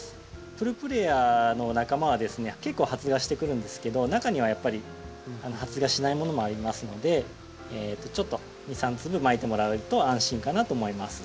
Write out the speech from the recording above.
プルプレアの仲間はですね結構発芽してくるんですけど中にはやっぱり発芽しないものもありますのでちょっと２３粒まいてもらえると安心かなと思います。